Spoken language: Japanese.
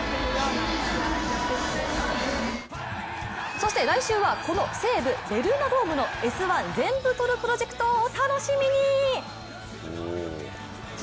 そして来週はこの西武ベルーナドームの「Ｓ☆１」全部撮るプロジェクトをお楽しみに！